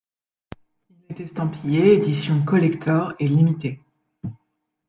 Il est estampillé édition collector et limitée.